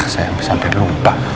saya sampai lupa